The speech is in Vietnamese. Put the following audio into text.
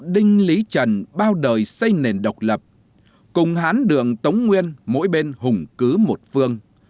đinh lý trần bao đời xây nền độc lập cùng hán đường tống nguyên mỗi bên hùng cứ một phương